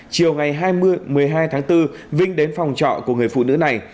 chiều ngày hai mươi một mươi hai tháng bốn vinh đến phòng trọ của người phụ nữ này